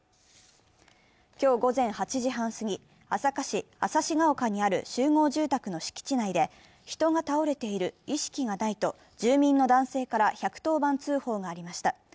今日午前８時半すぎ、朝霞市朝志ケ丘にある集合住宅の敷地内で人が倒れている、意識がないと住民の男性から１１０番通報がありました。